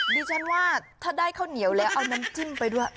ดิฉันว่าถ้าได้ข้าวเหนียวแล้วเอาน้ำจิ้มไปด้วย